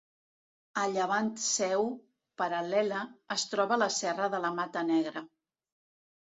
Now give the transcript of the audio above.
A llevant seu, paral·lela, es troba la Serra de la Mata Negra.